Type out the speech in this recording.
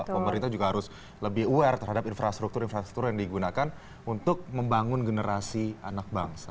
pemerintah juga harus lebih aware terhadap infrastruktur infrastruktur yang digunakan untuk membangun generasi anak bangsa